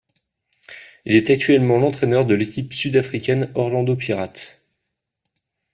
Il est actuellement l'entraîneur de l'équipe sud-africaine Orlando Pirates.